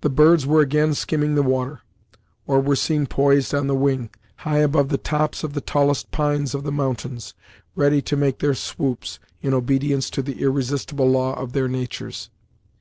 The birds were again skimming the water, or were seen poised on the wing, high above the tops of the tallest pines of the mountains, ready to make their swoops, in obedience to the irresistable law of their natures.